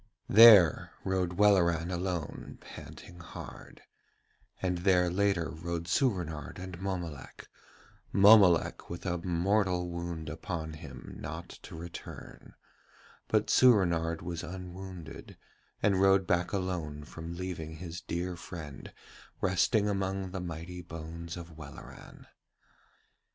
There rode Welleran alone, panting hard; and there later rode Soorenard and Mommolek, Mommolek with a mortal wound upon him not to return, but Soorenard was unwounded and rode back alone from leaving his dear friend resting among the mighty bones of Welleran.